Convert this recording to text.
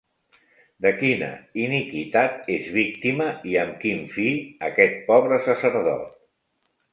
De quina iniquitat és víctima, i amb quin fi, aquest pobre sacerdot?